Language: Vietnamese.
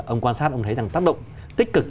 ông quan sát ông thấy rằng tác động tích cực